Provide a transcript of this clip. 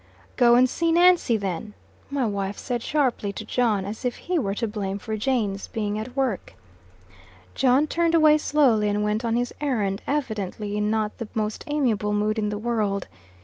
"Go and see Nancy, then," my wife said, sharply, to John, as if he were to blame for Jane's being at work. John turned away slowly and went on his errand, evidently in not the most amiable mood in the world.